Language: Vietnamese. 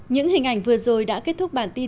xin kính chào và hẹn gặp lại